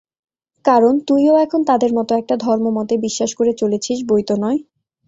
কারণ তুইও এখন তাদের মত একটা ধর্মমতে বিশ্বাস করে চলেছিস বৈ তো নয়।